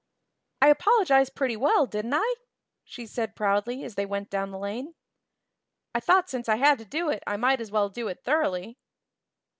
"I apologized pretty well, didn't I?" she said proudly as they went down the lane. "I thought since I had to do it I might as well do it thoroughly."